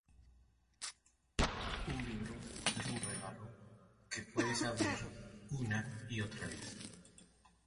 Are you listening?